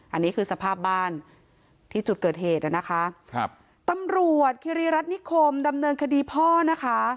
อันนี้คือสภาพบ้านที่จุดเกิดเหตุนะคะครับตำรวจคิริรัตนิคมดำเนินคดีพ่อนะคะ